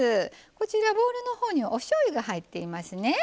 こちらボウルのほうにはおしょうゆが入っていますね。